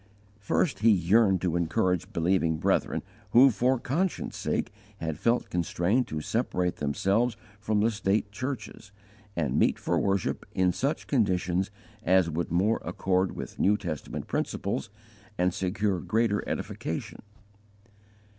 1. First, he yearned to encourage believing brethren who for conscience' sake had felt constrained to separate themselves from the state churches, and meet for worship in such conditions as would more accord with New Testament principles, and secure greater edification.